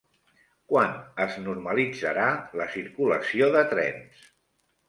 Quan es normalitzarà la circulació de trens?